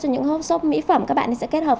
cho những hộp xốp mỹ phẩm các bạn sẽ kết hợp